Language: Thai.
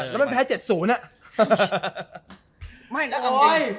แล้วมันแพ้เจ็ดศูนย์